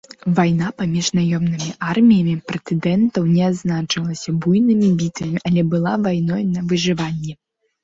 Вайна паміж наёмнымі арміямі прэтэндэнтаў не адзначылася буйнымі бітвамі, але была вайной на выжыванне.